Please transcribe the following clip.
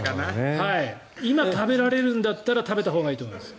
今、食べられるんだったら食べたほうがいいと思います。